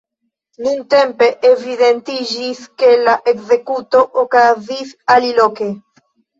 Nuntempe evidentiĝis, ke la ekzekuto okazis aliloke.